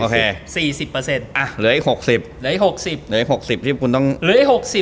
เหลืออีก๖๐